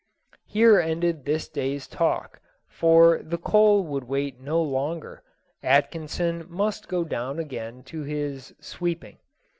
Here ended this day's talk, for the coal would wait no longer; Atkinson must go down again to his "sweeping".